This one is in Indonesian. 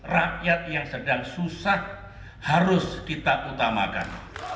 rakyat yang sedang susah harus kita utamakan